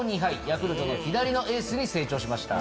ヤクルトの左のエースに成長しました。